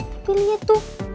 tapi liat tuh